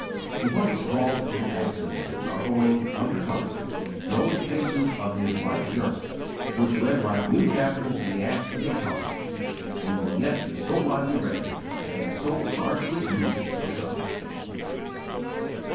To what is called an accident are owing, under God, those pages of his life journal which read like new chapters in the Acts of the Apostles, and will yet be so widely read, and so largely used of God.